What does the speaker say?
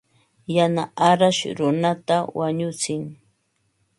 Yana arash runata wañutsin.